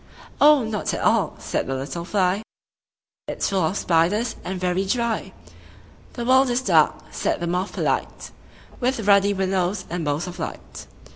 "Oh, not at all!" said the little fly; "It's full of spiders, and very dry!" "The world is dark," said the moth polite, "With ruddy windows and bows of light."